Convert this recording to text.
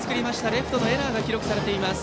レフトのエラーが記録されています。